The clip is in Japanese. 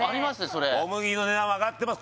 それ小麦の値段は上がってます